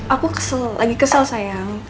aku kesel lagi kesel sayang